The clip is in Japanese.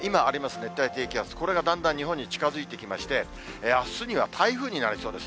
熱帯低気圧、これがだんだん日本に近づいてきまして、あすには台風になりそうです。